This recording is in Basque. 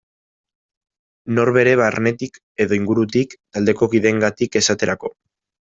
Norbere barnetik edo ingurutik, taldeko kideengatik esaterako.